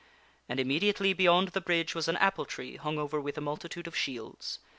And immediately beyond the bridge was an apple tree hung over with a multitude of shields.